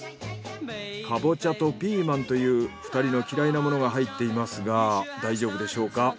カボチャとピーマンという２人の嫌いなものが入っていますが大丈夫でしょうか？